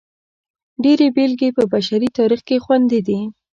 ډېرې بېلګې یې په بشري تاریخ کې خوندي دي.